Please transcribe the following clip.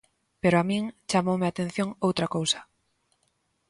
Pero a min chamoume a atención outra cousa.